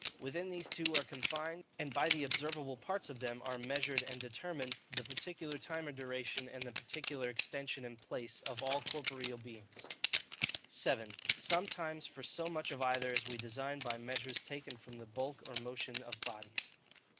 Within these two are confined, and by the observable parts of them are measured and determined, the particular time or duration, and the particular extension and place, of all corporeal beings. 7. Sometimes for so much of either as we design by Measures taken from the Bulk or Motion of Bodies.